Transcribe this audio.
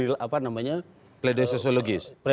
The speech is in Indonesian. yang menanggapi pre doi sosiologis